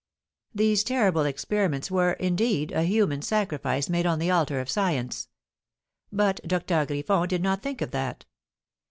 These terrible experiments were, indeed, a human sacrifice made on the altar of science; but Doctor Griffon did not think of that.